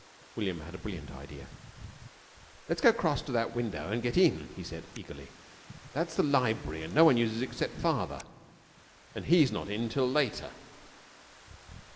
William had a brilliant idea. "Let's go 'cross to that window an' get in," he said eagerly. "That's the lib'ry and no one uses it 'cept father, and he's not in till later."